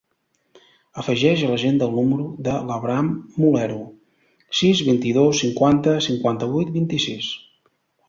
Afegeix a l'agenda el número de l'Abraham Molero: sis, vint-i-dos, cinquanta, cinquanta-vuit, vint-i-sis.